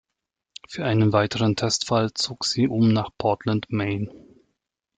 Für einen weiteren Testfall zog sie um nach Portland, Maine.